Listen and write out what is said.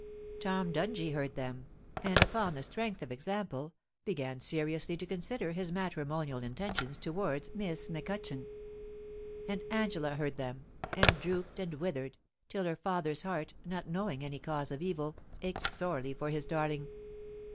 * Tom Dungie heard them, and upon the strength of example, began seriously to consider his matrimonial intentions to wards Miss McCutchan. And Angela heard them, and drooped and withered, till her father's heart, not knowing any cause of evil, ached sorely for his darling.